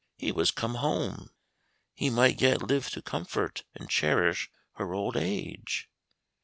he was come home! he might yet live to comfort and cherish her old age!